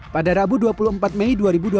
pada rabu dua puluh empat mei dua ribu dua puluh